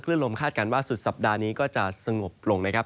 ลมคาดการณ์ว่าสุดสัปดาห์นี้ก็จะสงบลงนะครับ